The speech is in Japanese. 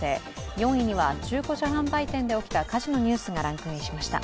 ４位には中古車販売店で起きた火事のニュースがランクインしました。